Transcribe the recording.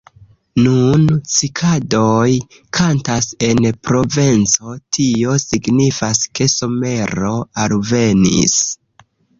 Nun cikadoj kantas en Provenco; tio signifas, ke somero alvenis.